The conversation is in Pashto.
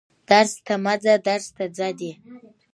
درس ته مه ځه درس ته ځه دي